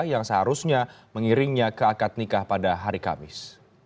yang seharusnya mengiringnya ke akad nikah pada hari kamis